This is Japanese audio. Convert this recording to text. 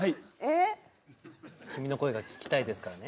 「君の声が聴きたい」ですからね。